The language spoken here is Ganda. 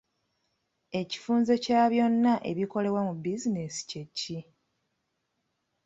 Ekifunze kya byonna ebikolebwa mu bizinensi kye ki?